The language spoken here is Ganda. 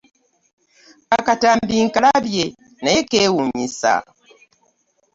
Akatambi nkalabye naye keewuunyisa!